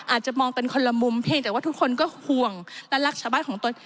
อาจจะมองกันคนละมุมเพียงแต่ว่าทุกคนก็ห่วงและรักชาวบ้านของตน